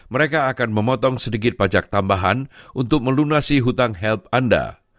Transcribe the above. mereka akan memotong sedikit pajak tambahan untuk melunasi hutang health anda